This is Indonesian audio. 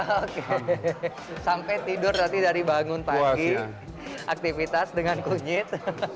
oke sampai tidur nanti dari bangun pagi aktivitas dengan kunyit